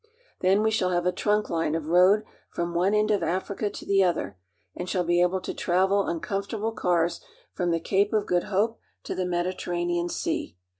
Then we shall have a trunk ^ne of road from one end of Africa to the other, and ihall be able to travel on comfortable cars from the Cape f Good Hope to the Mediterranean Sea.